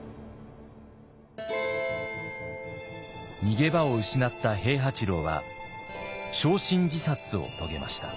逃げ場を失った平八郎は焼身自殺を遂げました。